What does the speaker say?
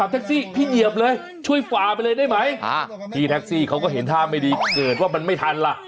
ที่แท็กซี่เขาก็เห็นท่ามไม่ดีเกิดว่ามันไม่ทัน